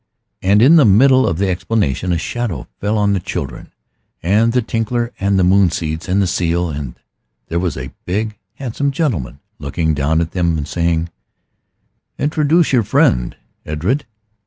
And in the middle of the explanation a shadow fell on the children and the Tinkler and the moon seeds and the seal, and there was a big, handsome gentleman looking down at them and saying "Introduce your friend, Edred."